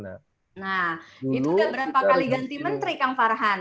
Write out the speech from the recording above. nah itu udah berapa kali ganti menteri kang farhan